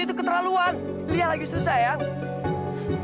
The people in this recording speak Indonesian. itu keterlaluan liat lagi susah yang